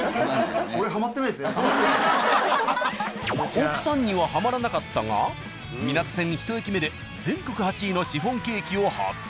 奥さんにはハマらなかったが湊線１駅目で全国８位のシフォンケーキを発見。